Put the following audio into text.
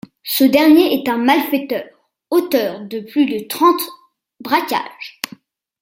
Ce dernier est un malfaiteur, auteur de plus de trente braquages.